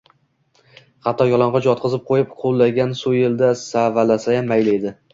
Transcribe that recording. Hatto yalang‘och yotqizib qo‘yib, ho‘llangan so‘yilda savalasayam mayli edi